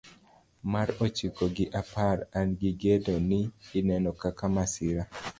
Mar ochiko gi apar an gi geno ni ineno kaka masira